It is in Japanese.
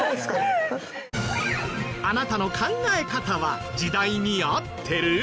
あなたの考え方は時代に合ってる？